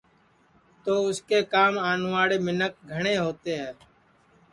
تو اُس کے کام آوڻْواݪے مینکھ گھڻْے ہووتے ہے